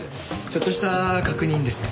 ちょっとした確認です。